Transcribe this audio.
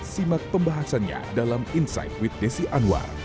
simak pembahasannya dalam insight with desi anwar